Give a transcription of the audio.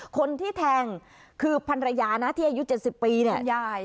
คนที่แทงคือพรรยานะที่อายุเจ็ดสิบปีเนี่ยคุณยาย